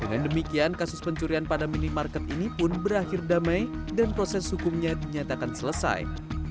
dengan demikian kasus pencurian pada minimarket ini pun berakhir damai dan proses hukumnya dinyatakan selesai